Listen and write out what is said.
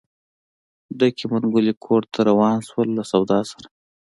ډکې منګولې کور ته روان شول له سودا سره.